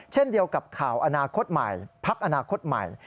เช่นเดียวกับข่าวอนาคตใหม่พักอนาคตใหม่